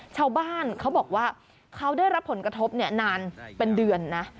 ชาวบ้านเขาบอกว่าเขาได้รับผลกระทบนานเป็นเดือนนะ